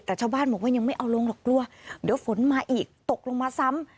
แต่ชาวบ้านบอกว่ายังไม่เอาลงหรอกกลัวเดี๋ยวฝนมาอีกตกลงมาซ้ำ